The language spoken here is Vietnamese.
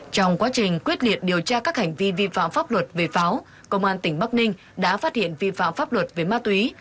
trong quá trình quyết liệt điều tra các hành vi vi phạm pháp luật về pháo công an tỉnh bắc ninh đã phát hiện vi phạm pháp luật về ma túy